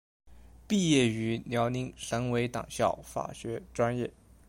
毕业于辽宁省委党校法学专业。